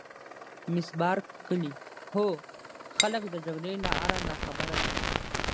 مس بارکلي: هو خلک د جګړې له آره ناخبره دي.